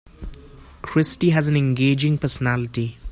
Christy has an engaging personality.